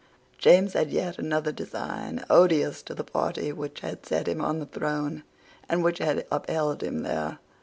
James had yet another design, odious to the party which had set him on the throne and which had upheld him there.